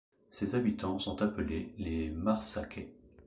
Ses habitants sont appelés les Marsacais.